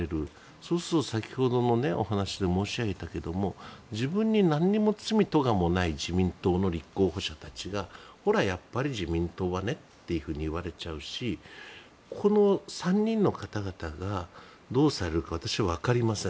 そうすると先ほどのお話で申し上げたけども自分に何も罪、とがもない自民党の立候補者たちがほら、やっぱり自民党はねって言われちゃうしこの３人の方々がどうされるか私はわかりません。